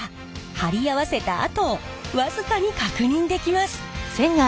貼り合わせた跡を僅かに確認できます。